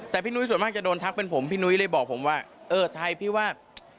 แต่พี่นุ้ยส่วนมากจะโดนทักเป็นผมพี่นุ้ยเลยบอกผมว่าเออไทยพี่ว่า